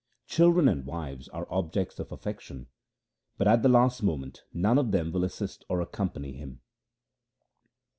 Children and wives are objects of affection, but at the last moment none of them will assist or accompany him.